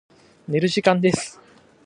寝る時間です。